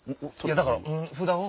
だから札を！